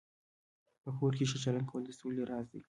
په کور کې ښه چلند کول د سولې راز دی.